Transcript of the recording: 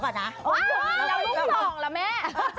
ก็เลยไม่อยากพกไงแหล่ะแม่